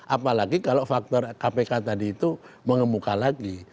apalagi kalau faktor kpk tadi itu mengemuka lagi